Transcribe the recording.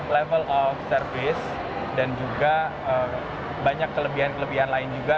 level of service dan juga banyak kelebihan kelebihan lain juga